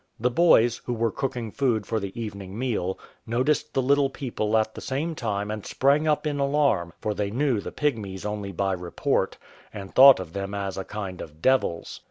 The boys, who were cook ing food for the evening meal, noticed the little people at the same time and sprang up in alarm, for they knew the Pygmies only by report, and thought of them as a kind of devils.